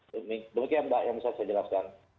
demikian mbak yang bisa saya jelaskan